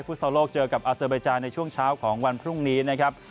ซอลโลกเจอกับอาเซอร์เบจาในช่วงเช้าของวันพรุ่งนี้นะครับ